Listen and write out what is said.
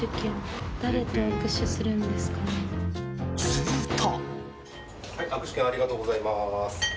すると。